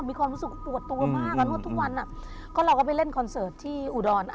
มีความรู้สึกปวดตัวมากอ่ะนวดทุกวันอ่ะก็เราก็ไปเล่นคอนเสิร์ตที่อุดร